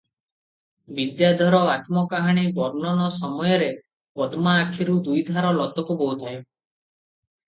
ବିଦ୍ୟାଧର ଆତ୍ମକାହାଣୀ ବର୍ଣ୍ଣନ ସମୟରେ ପଦ୍ମା ଆଖିରୁ ଦୁଇଧାର ଲୋତକ ବହୁଥାଏ ।